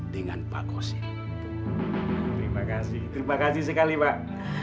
terima kasih terima kasih sekali pak